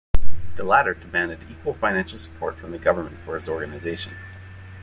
The latter demanded equal financial support from the government for his organisation.